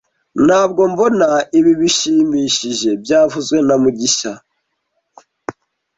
Ntabwo mbona ibi bishimishije byavuzwe na mugisha